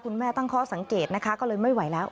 คุณแม่ตั้งเคาะสังเกตนะคะก็เลยไม่ไหวแล้ว